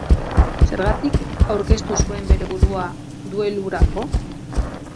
Zergatik aurkeztu zuen bere burua duelurako?